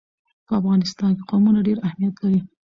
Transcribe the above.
په افغانستان کې قومونه ډېر اهمیت لري.